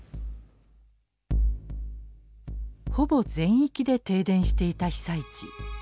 ほぼ全域で停電していた被災地。